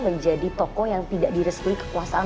menjadi tokoh yang tidak direstui kekuasaan